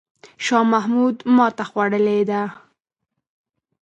شاه محمود ماته خوړلې ده.